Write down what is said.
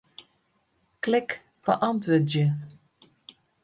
Klik Beäntwurdzje.